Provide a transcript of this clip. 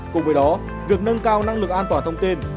cùng với đó việc nâng cao năng lực an toàn thông tin